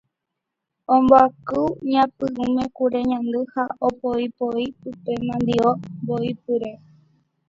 Ombyaku ñapy'ῦme kure ñandy ha opoipoi pype mandi'o mbo'ipyre.